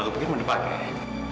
kalau begitu mana pakai